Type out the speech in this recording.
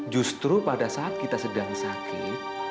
justru pada saat kita sedang sakit